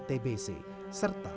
yang membuatnya merasa terlalu teruk